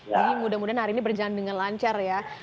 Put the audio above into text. jadi mudah mudahan hari ini berjalan dengan lancar ya